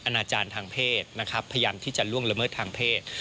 อาจารย์ทางเพศนะครับพยายามที่จะล่วงละเมิดทางเพศ